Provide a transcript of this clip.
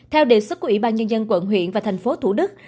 theo đề xuất của ủy ban nhân dân quận huyện và thành phố thủ đức